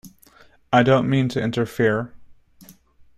I don't mean to interfere.